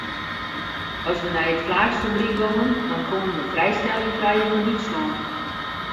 As we nei it flaaksfabryk gongen dan koenen we frijstelling krije foar Dútslân.